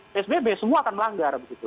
psbb semua akan melanggar